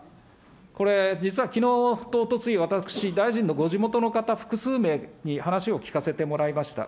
これ、実はこれ、きのうとおとつい私、大臣のご地元の方、複数名に話を聞かせてもらいました。